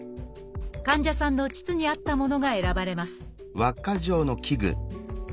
患者さんの腟に合ったものが選ばれます